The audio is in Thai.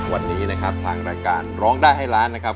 วันนี้นะครับทางรายการร้องได้ให้ล้านนะครับ